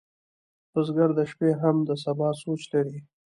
بزګر د شپې هم د سبا سوچ لري